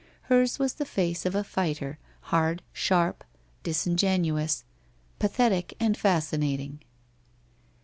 Hers was the face of a fighter, hard, sharp, disingenuous, pathetic and fasci nating.